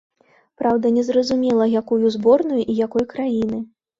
Праўда, незразумела, якую зборную і якой краіны.